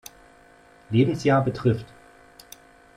Lebensjahr betrifft.